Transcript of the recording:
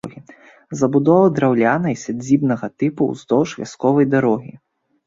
Забудова драўляная, сядзібнага тыпу, уздоўж вясковай дарогі.